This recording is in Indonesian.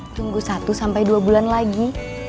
tunggu satu sampai dua bulan lagi